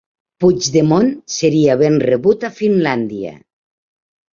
Puigdemont seria ben rebut a Finlàndia